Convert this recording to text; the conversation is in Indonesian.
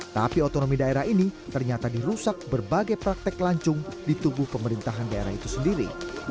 tapi otonomi daerah ini ternyata dirusak berbagai praktek lancung di tubuh pemerintahan daerah itu sendiri